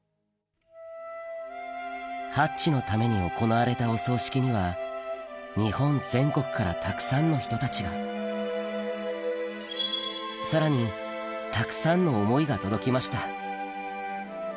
ハッチのために行われたお葬式には日本全国からたくさんの人たちがさらにたくさんの思いが届きました